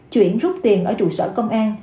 chuyển rút tiền ở trụ sở công an